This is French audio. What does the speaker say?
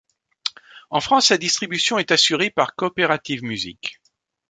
En France, sa distribution est assurée par Cooperative Music.